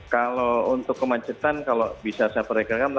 kalau untuk kemacetan kalau bisa saya perkirakan